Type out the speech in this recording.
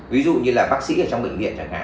ví dụ như là bác sĩ ở trong bệnh viện